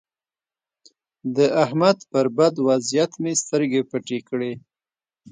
د احمد پر بد وضيعت مې سترګې پټې کړې.